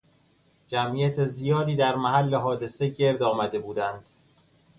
جمعیت زیادی در محل حادثه گرد آمده بودند.